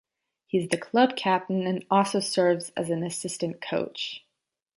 He is the club captain and also serves as an assistant coach.